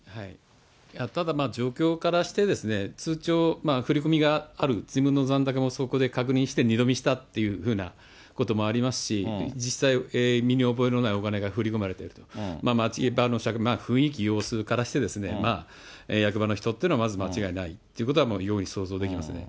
ただまあ、状況からして、通帳、振り込みがある、自分の残高もそこで確認して二度見したっていうふうなこともありますし、実際、身に覚えのないお金が振り込まれてると、雰囲気、様子からして、役場の人っていうのは間違いないっていうことは、容易に想像できますね。